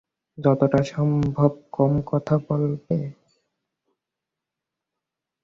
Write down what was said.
যতটা সম্ভব কম কথা বলবে।